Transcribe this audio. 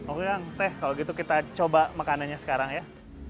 oh ya teh kalau gitu kita coba makanannya sekarang ya